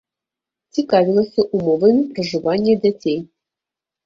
Цікавілася ўмовамі пражывання дзяцей.